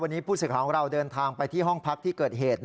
วันนี้ผู้สื่อข่าวของเราเดินทางไปที่ห้องพักที่เกิดเหตุ